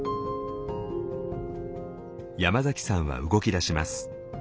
山崎さんは動き出します。